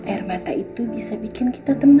air mata itu bisa bikin kita tenang